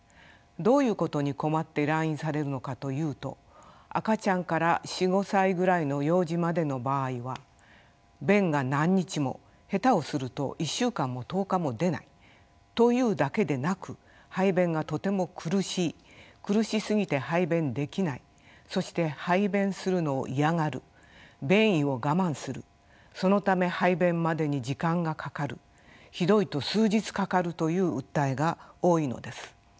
どういうことに困って来院されるのかというと赤ちゃんから４５歳ぐらいの幼児までの場合は便が何日も下手をすると１週間も１０日も出ないというだけでなく排便がとても苦しい苦しすぎて排便できないそして排便するのを嫌がる便意を我慢するそのため排便までに時間がかかるひどいと数日かかるという訴えが多いのです。